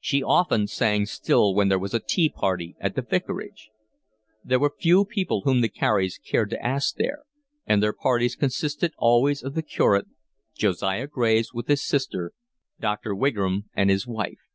She often sang still when there was a tea party at the vicarage. There were few people whom the Careys cared to ask there, and their parties consisted always of the curate, Josiah Graves with his sister, Dr. Wigram and his wife.